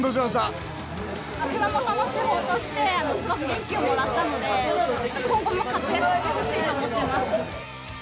熊本の主砲として、すごく元気をもらったので、今後も活躍してほしいと思ってます。